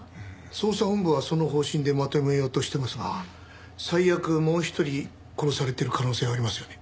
捜査本部はその方針でまとめようとしてますが最悪もう一人殺されてる可能性がありますよね。